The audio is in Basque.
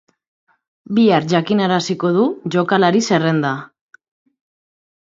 Bihar jakinaraziko du jokalari zerrenda.